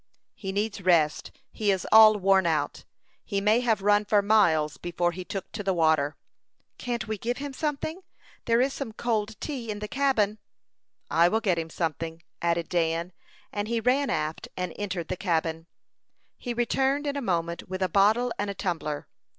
"He needs rest. He is all worn out. He may have run for miles before he took to the water." "Can't we give him something? There is some cold tea in the cabin." "I will get him something," added Dan; and he ran aft and entered the cabin. He returned in a moment with a bottle and a tumbler.